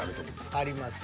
あります。